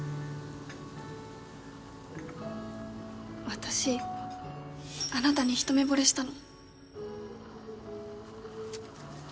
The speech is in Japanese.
私あなたに一目ぼれしたの